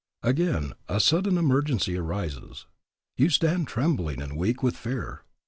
Again, a sudden emergency arises. You stand trembling and weak with fear.